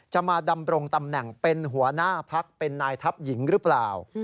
มาดำรงตำแหน่งเป็นหัวหน้าพักเป็นนายทัพหญิงหรือเปล่า